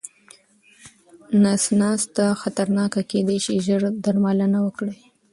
نس ناسته خطرناکه کيداې شي، ژر درملنه وکړئ.